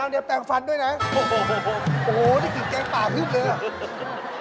จริกแกล้งปากพื้นเลยอะ